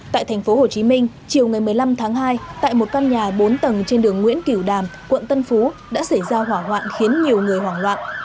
tại tp hcm chiều ngày một mươi năm tháng hai tại một căn nhà bốn tầng trên đường nguyễn cửu đàm quận tân phú đã xảy ra hỏa hoạn khiến nhiều người hoảng loạn